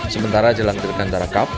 sementara jelang dirikan darah kap